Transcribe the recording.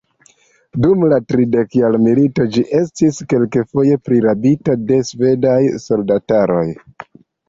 Dum la tridekjara milito ĝi estis kelkfoje prirabita de svedaj soldataroj.